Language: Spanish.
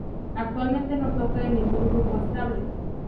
Actualmente no toca en ningún grupo estable.